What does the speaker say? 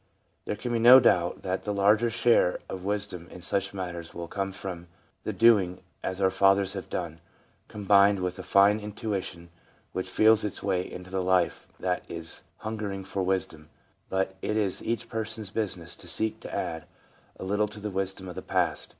There can be no doubt that the larger share of wisdom in such matters will come from the doing as our fathers have done, combined with a fine intuition, which feels its way into the life that is hungering for wisdom ; but it is each person's business to seek to add a little to the wisdom of the past.